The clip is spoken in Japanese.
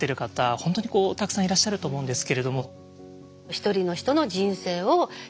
本当にたくさんいらっしゃると思うんですけれども。